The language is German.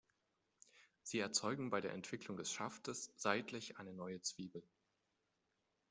Sie erzeugen bei der Entwicklung des Schaftes seitlich eine neue Zwiebel.